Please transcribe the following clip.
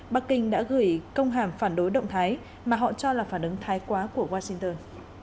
bắc kinh đã gửi công hàm phản đối động thái mà họ cho là phản ứng thái quá của washington